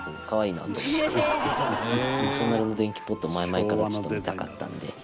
ナショナルの電気ポット前々からちょっと見たかったんで。